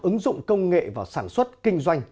ứng dụng công nghệ vào sản xuất kinh doanh